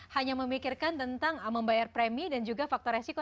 hanya memikirkan tentang membayar premi dan juga faktor resiko